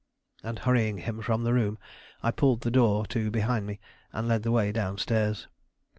And, hurrying him from the room, I pulled the door to behind me, and led the way down stairs.